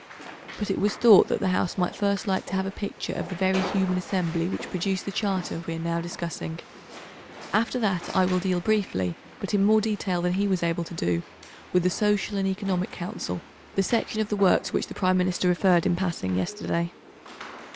But it was thought that the House might first like to have a picture of the very human assembly which produced the Charter we are now discussing. After that I will deal briefly, but in more detail than he was able to do, with the Social and Economic Council, the section of the work to which the Prime Minister referred in passing yesterday.